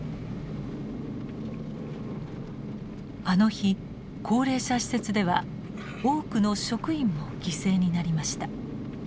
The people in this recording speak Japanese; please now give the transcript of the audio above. あの日高齢者施設では多くの職員も犠牲になりました。